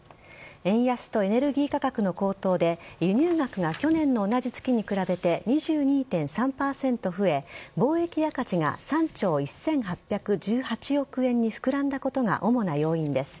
円安とエネルギー価格の高騰で輸入額が去年の同じ月に比べて２２．３％増え貿易赤字が３兆１８１８億円に膨らんだことが主な要因です。